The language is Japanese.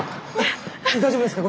大丈夫ですか？